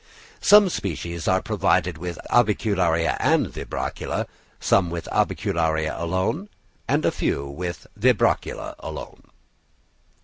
Some species are provided with avicularia and vibracula, some with avicularia alone and a few with vibracula alone.